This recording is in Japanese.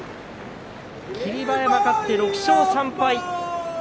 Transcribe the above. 霧馬山、勝って６勝３敗。